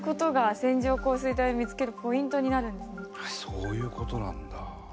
そういう事なんだ。